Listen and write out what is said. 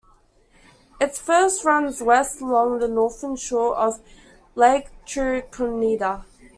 It first runs west along the northern shore of Lake Trichonida.